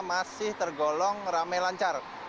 masih tergolong rame lancar